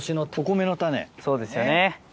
そうですよね。